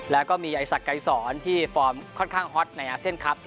แล้วก็มีไอศักดัยสอนที่ฟอร์มค่อนข้างฮอตในอาเซียนครับ